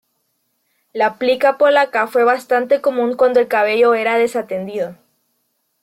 La plica polaca fue bastante común cuando el cabello era desatendido.